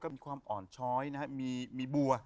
มีความอ่อนชอยมีบัว